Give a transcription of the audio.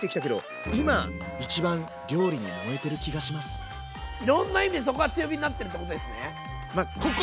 こんだけいろんな意味でそこが強火になってるってことですね。